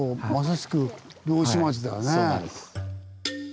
そうなんです。